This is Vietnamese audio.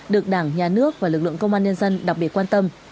được đảng nhà nước và lực lượng công an nhân dân đặc biệt quan tâm